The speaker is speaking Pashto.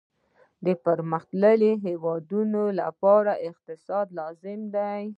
د پرمختللي هیواد لپاره ښه اقتصاد لازم دی